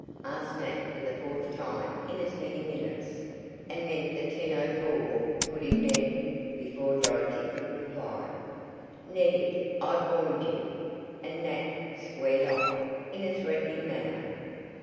asked Nat for the fourth time in as many minutes. "And meant the 10:04," put in Ned, before Dorothy could reply. "Neddie, I've warned you " and Nat "squared off" in a threatening manner.